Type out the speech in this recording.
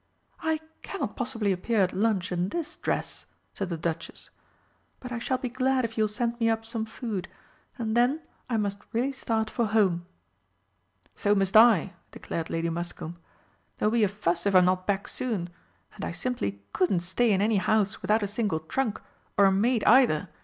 "I cannot possibly appear at lunch in this dress," said the Duchess; "but I shall be glad if you will send me up some food, and then I must really start for home." "So must I," declared Lady Muscombe; "there'll be a fuss if I'm not back soon and I simply couldn't stay in any house without a single trunk, or a maid either!